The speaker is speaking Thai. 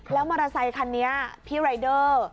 แล้วมอเตอร์ไซคันนี้พี่รายเดอร์